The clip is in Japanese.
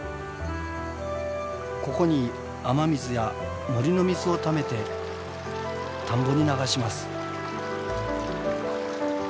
ここに雨水や森の水をためて田んぼに流します。